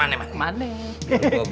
mana mana ketek lo